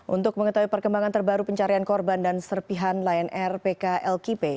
untuk mengetahui perkembangan terbaru pencarian korban dan serpihan lion air pklkp